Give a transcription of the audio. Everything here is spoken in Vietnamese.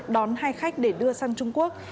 đón hai khách để đưa sang trung quốc